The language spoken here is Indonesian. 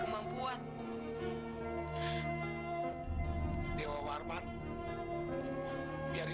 uzm rambut can transker